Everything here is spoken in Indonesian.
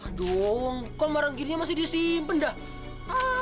aduh ngkong barang gininya masih disimpen dah